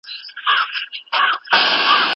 درناوی د هرې غونډې لومړی شرط دی.